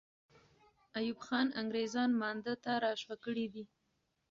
ایوب خان انګریزان مانده ته را شوه کړي دي.